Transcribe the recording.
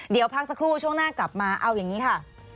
เดี๋ยวพักสักครู่ช่วงหน้ากลับมาเอาอย่างนี้ค่ะ